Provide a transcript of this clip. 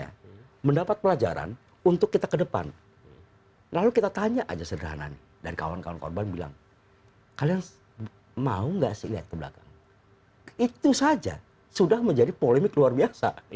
nah mendapat pelajaran untuk kita ke depan lalu kita tanya aja sederhana nih dan kawan kawan korban bilang kalian mau nggak sih lihat ke belakang itu saja sudah menjadi polemik luar biasa